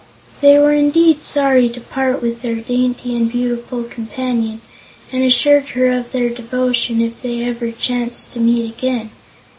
They were indeed sorry to part with their dainty and beautiful companion and assured her of their devotion if they ever chanced to meet again.